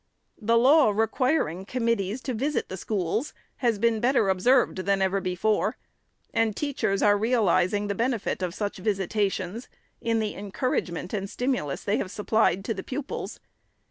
The law, requiring committees to visit the schools, has been better observed than ever before ; and teachers are realizing the benefit of such visitations, in the encouragement and stimulus they have supplied to the pupils.